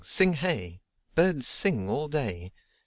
Sing hey! Birds sing All day.